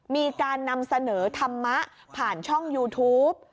มีการนำเสนอธรรมะผ่านช่องยูทูป